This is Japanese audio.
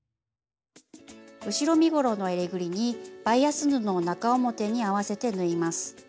後ろ身ごろのえりぐりにバイアス布を中表に合わせて縫います。